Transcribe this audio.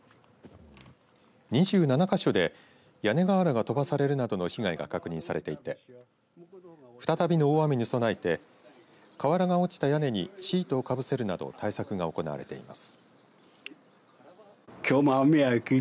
２７か所で屋根瓦が飛ばされるなどの被害が確認されていて再びの大雨に備えて瓦が落ちた屋根にシートをかぶせるなど対策が行われています。